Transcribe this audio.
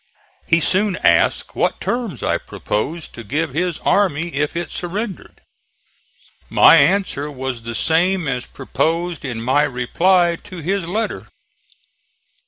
He soon asked what terms I proposed to give his army if it surrendered. My answer was the same as proposed in my reply to his letter.